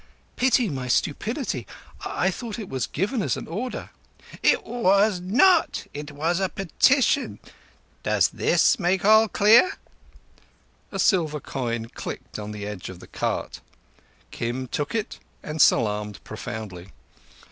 "Pity my stupidity. I thought it was given as an order—" "It was not. It was a petition. Does this make all clear?" A silver coin clicked on the edge of the cart. Kim took it and salaamed profoundly.